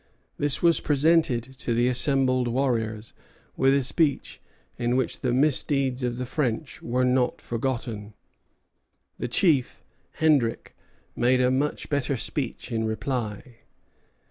This was presented to the assembled warriors, with a speech in which the misdeeds of the French were not forgotten. The chief, Hendrick, made a much better speech in reply.